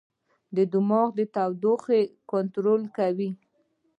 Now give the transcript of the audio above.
دماغ د تودوخې کنټرول کوي.